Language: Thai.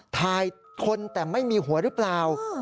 ถ่ายคนแต่ไม่มีหัวหรือเปล่า